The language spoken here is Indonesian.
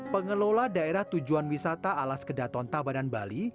pengelola daerah tujuan wisata alas kedaton tabanan bali